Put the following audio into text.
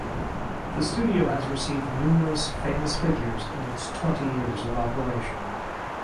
The studio has received numerous famous figures in its twenty years of operation.